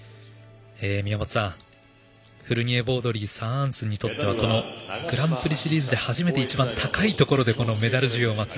宮本さん、フルニエボードリーサアアンスンにとってはこのグランプリシリーズで初めて一番高いところでメダル授与を待つ。